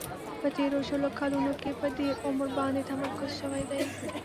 په تیرو شلو کلونو کې په ډېر عمر باندې تمرکز شوی دی.